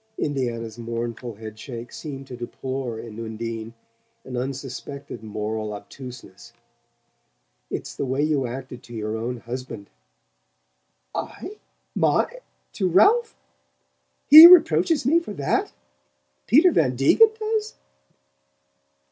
Indiana's mournful head shake seemed to deplore, in Undine, an unsuspected moral obtuseness. "It's the way you acted to your own husband." "I my to Ralph? HE reproaches me for that? Peter Van Degen does?"